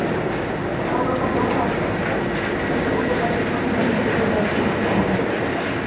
কারও কারও কণ্ঠে অনুতাপ—চেমসফোর্ডের মাঠে সোনালি মুহূর্তগুলো দেখার সুযোগ হাতছাড়া হয়ে গেল।